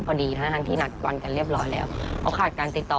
พอดีทั้งที่นัดวันกันเรียบร้อยแล้วเขาขาดการติดต่อ